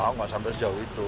oh nggak sampai sejauh itu